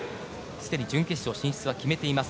すでに準決勝進出は決めています。